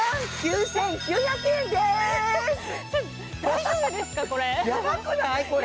大丈夫ですか、これ？